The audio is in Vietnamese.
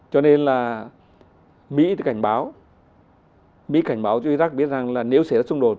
cho nên là mỹ cảnh báo cho iraq biết rằng là nếu xảy ra xung đột